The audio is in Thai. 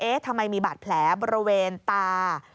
ทำไมมีบาดแผลบริเวณตา